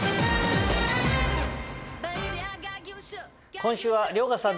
今週は遼河さんです。